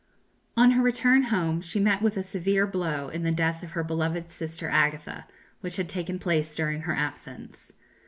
On her return home she met with a severe blow in the death of her beloved sister Agatha, which had taken place during her absence.